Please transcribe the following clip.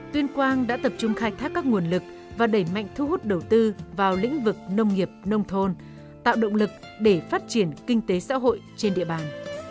tuyên quang đã tập trung khai thác các nguồn lực và đẩy mạnh thu hút đầu tư vào lĩnh vực nông nghiệp nông thôn tạo động lực để phát triển kinh tế xã hội trên địa bàn